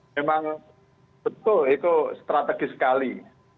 memang betul itu strategis sekali